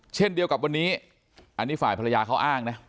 เช่นเดียวกับวันนี้อันนี้ฝ่ายภรรยาเขาอ้างนะ